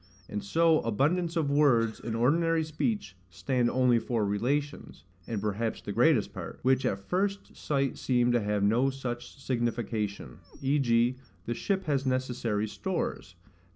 And so abundance of words, in ordinary speech, stand only for relations (and perhaps the greatest part) which at first sight seem to have no such signification: v.g. the ship has necessary stores.